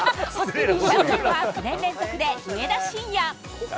キャプテンは９年連続で上田晋也。